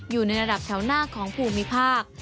อยู่ในระดับแถวหน้าของภูมิภาค